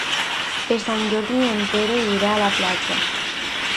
Per Sant Jordi en Pere irà a la platja.